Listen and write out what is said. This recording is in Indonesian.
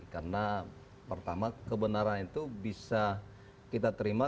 karena pertama kebenaran itu bisa kita terima